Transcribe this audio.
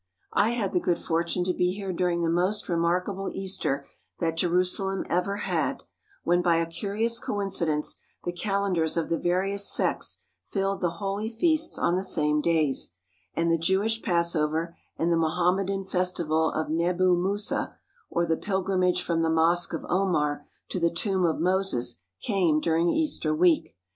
I had the good fortune to be here during the most remarkable Easter that Jerusalem ever had, when by a curious coincidence the calendars of the various sects fixed the holy feasts on the same days, and the Jewish Passover and the Mohammedan festival of Nebu Musa, or the pilgrimage from the Mosque of Omar to the tomb of Moses, came during Easter Week.